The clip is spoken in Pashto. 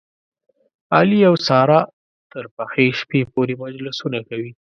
علي او ساره تر پخې شپې پورې مجلسونه کوي.